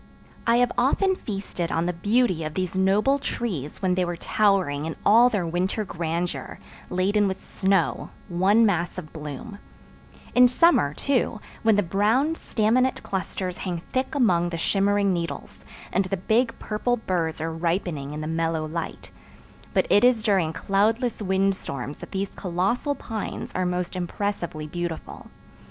I have often feasted on the beauty of these noble trees when they were towering in all their winter grandeur, laden with snow—one mass of bloom; in summer, too, when the brown, staminate clusters hang thick among the shimmering needles, and the big purple burrs are ripening in the mellow light; but it is during cloudless wind storms that these colossal pines are most impressively beautiful.